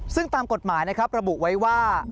ซึ่งตามกฎหมายนะครับระบุไว้ว่า